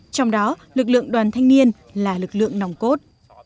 trong đó lực lượng đoàn thanh niên là lực lượng nòng cốt